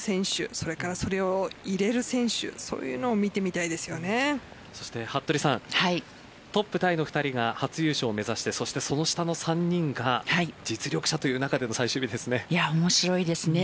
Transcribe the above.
それから、それを入れる選手そして服部さんトップタイの２人が初優勝を目指してその下の３人が実力者という中での最終日ですね。